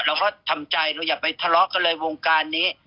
เราก็ทำใจเราอย่าไปทะเลาะกันเลยวงการนี้